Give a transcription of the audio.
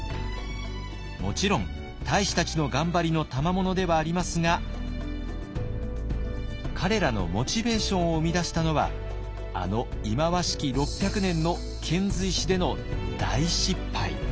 もちろん太子たちの頑張りのたまものではありますが彼らのモチベーションを生み出したのはあの忌まわしき６００年の遣隋使での大失敗。